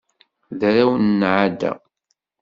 D arraw n Ɛada.